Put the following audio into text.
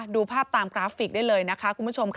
ดูภาพตามกราฟิกได้เลยนะคะคุณผู้ชมค่ะ